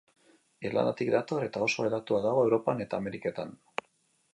Irlandatik dator, eta oso hedatua dago Europan eta Ameriketan.